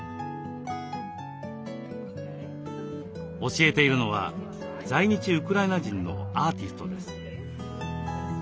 教えているのは在日ウクライナ人のアーティストです。